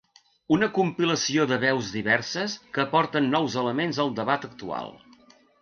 Una compilació de veus diverses que aporten nous elements al debat actual.